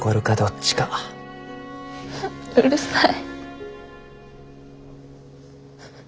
うるさい。